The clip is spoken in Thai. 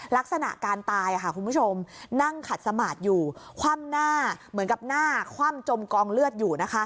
ลักษณะการตายคุณผู้ชมนั่งขัดสมาร์ทอยู่คว่ำหน้าเหมือนกับหน้าคว่ำจมกองเลือดอยู่